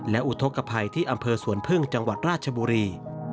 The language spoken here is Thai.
และอุทธกภัยที่อำเภอสวนพึ่งจังหวัดราชบุรี